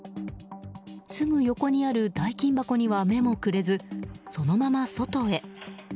すぐ横にある代金箱には目もくれずそのまま外へ。